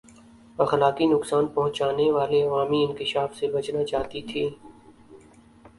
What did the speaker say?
اخلاقی نقصان پہچانے والے عوامی انکشاف سے بچنا چاہتی تھِی